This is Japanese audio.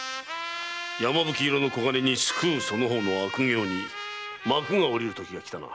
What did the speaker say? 山吹色の黄金に巣くうその方の悪行に幕が下りるときがきたな。